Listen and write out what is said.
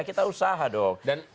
kita usaha dong